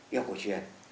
y học cổ truyền